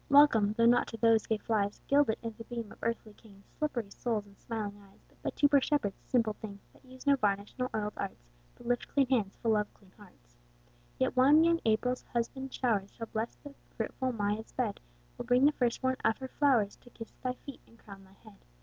Welcome, (though not to those gay flies Guilded i'th' beams of earthly kings Slippery souls in smiling eyes) But to poor Shepherds, simple things, That use no varnish, no oil'd arts, But lift clean hands full of clear hearts. Yet when young April's husband showers Shall bless the fruitful Maia's bed, We'll bring the first born of her flowers, To kiss thy feet, and crown thy head.